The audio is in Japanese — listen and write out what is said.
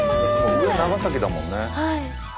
上長崎だもんね。